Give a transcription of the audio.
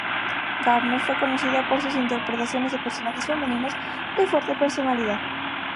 Gardner fue conocida por sus interpretaciones de personajes femeninos de fuerte personalidad.